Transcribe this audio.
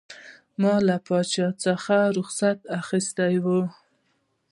ما له پاچا څخه رخصت اخیستی وو.